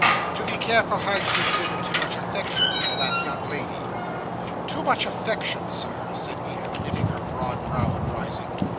"To be careful how you exhibit too much affection for that young lady." "Too much affection, Sir!" said Edith, knitting her broad brow and rising.